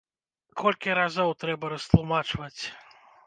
Колькі разоў трэба растлумачваць!